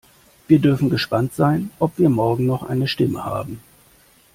Wir dürfen gespannt sein, ob wir morgen noch eine Stimme haben.